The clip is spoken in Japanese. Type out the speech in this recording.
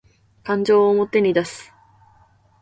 感情を表に出す